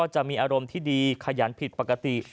จะมีอารมณ์ที่ดีขยันผิดปกติ